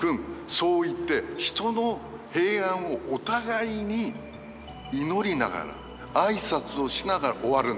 そう言って人の平安をお互いに祈りながら挨拶をしながら終わるんです。